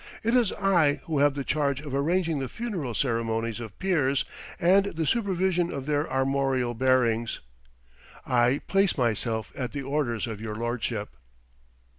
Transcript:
It is I who have the charge of arranging the funeral ceremonies of peers, and the supervision of their armorial bearings. I place myself at the orders of your lordship."